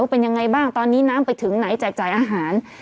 ว่าเป็นอย่างไรบ้างตอนนี้น้ำไปถึงไหนจ่ายอาหาร